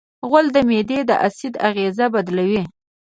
غول د معدې د اسید اغېز بدلوي.